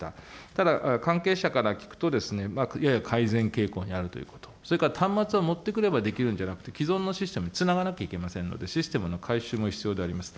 ただ、関係者から聞くと、やや改善傾向にあるということ、それから端末は持ってくればできるんじゃなくて、既存のシステム繋がなきゃいけませんので、システムの改修も必要であります。